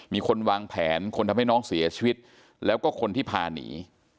มีคนวางแผนคนทำให้น้องเสียชีวิตแล้วก็คนที่พาหนี